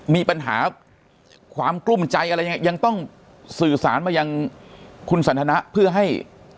มีปัญหาความกลุ้มใจอะไรยังไงยังต้องสื่อสารมายังคุณสันทนะเพื่อให้